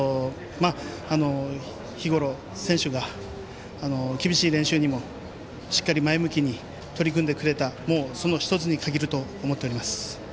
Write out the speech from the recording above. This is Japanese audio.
日ごろ、選手が厳しい練習にもしっかり前向きに取り組んでくれたもう、その１つに限ると思っております。